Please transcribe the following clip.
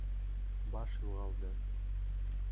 Баш юғалды.